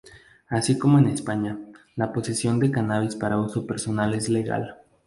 Así como en España, la posesión de cannabis para uso personal es legal.